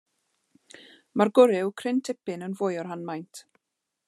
Mae'r gwryw cryn dipyn yn fwy o ran maint.